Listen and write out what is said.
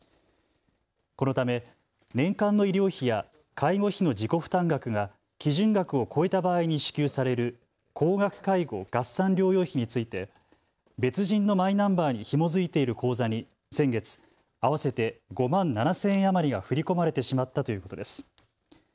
このため年間の医療費や介護費の自己負担額が基準額を超えた場合に支給される高額介護合算療養費について別人のマイナンバーにひも付いている口座に先月、合わせて５万７０００円余りが振り込まれてしまったということです。